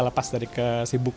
lepas dari ke sibuk